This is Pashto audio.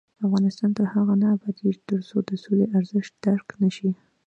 افغانستان تر هغو نه ابادیږي، ترڅو د سولې ارزښت درک نشي.